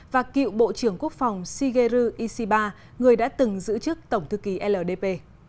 và cựu bộ trưởng quốc phòng shigeru ishiba người đã từng giữ chức tổng thư ký ldp